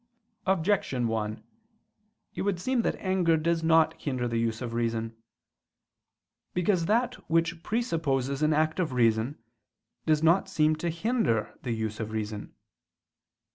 Objection 1: It would seem that anger does not hinder the use of reason. Because that which presupposes an act of reason, does not seem to hinder the use of reason.